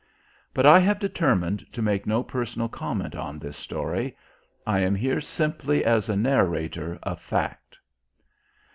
But I have determined to make no personal comment on this story. I am here simply as a narrator of fact....